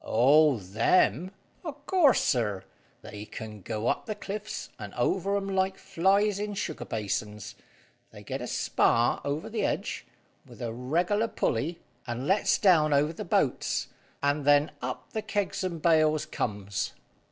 "Oh, them! O' course, sir, they can go up the cliffs, and over 'em like flies in sugar basins. They get a spar over the edge, with a reg'lar pulley, and lets down over the boats, and then up the kegs and bales comes."